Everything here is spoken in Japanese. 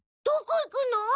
どこ行くの？